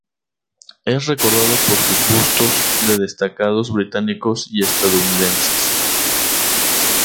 Es recordado por sus bustos de destacados británicos y estadounidenses.